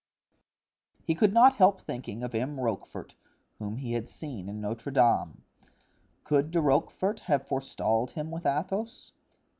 He could not help thinking of M. Rochefort, whom he had seen in Notre Dame; could De Rochefort have forestalled him with Athos?